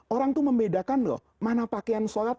orang itu membedakan loh mana pakaian sholat